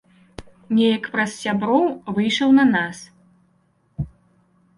Неяк праз сяброў выйшаў на нас.